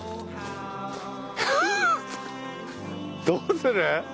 どうする？